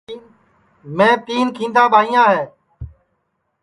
میں تین کھیندا ٻائیاں